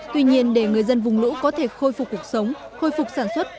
tuy nhiên để người dân vùng lũ có thể khôi phục cuộc sống khôi phục sản xuất